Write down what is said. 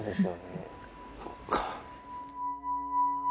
そっか。